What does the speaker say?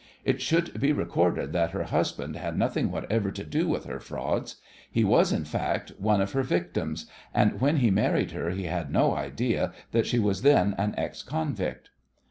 It should be recorded that her husband had nothing whatever to do with her frauds. He was, in fact, one of her victims and when he married her he had no idea that she was then an ex convict.